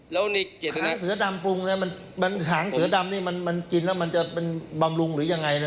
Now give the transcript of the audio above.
แล้วในเจตนานำหางเสือดำปรุงเนี่ยมันหางเสือดำนี่มันมันกินแล้วมันจะเป็นบำรุงหรือยังไง